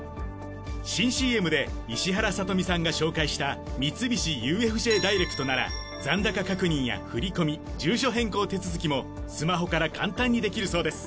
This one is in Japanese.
新ＣＭで石原さとみさんが紹介した三菱ＵＦＪダイレクトなら残高確認や振込住所変更手続きもスマホから簡単にできるそうです。